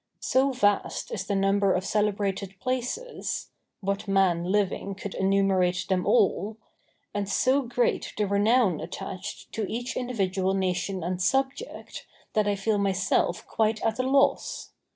So vast is the number of celebrated places (what man living could enumerate them all?), and so great the renown attached to each individual nation and subject, that I feel myself quite at a loss.